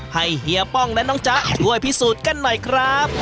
เฮียป้องและน้องจ๊ะช่วยพิสูจน์กันหน่อยครับ